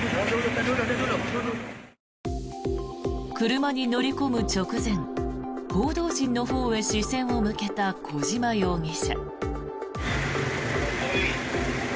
車に乗り込む直前報道陣のほうへ視線を向けた小島容疑者。